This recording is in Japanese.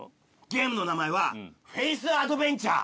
ゲームの名前は「フェースアドベンチャー」。